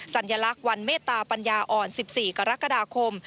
สัญลักษณ์วันเมตตาปัญญาอ่อน๑๔กรกฎาคม